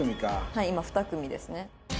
はい今２組ですね。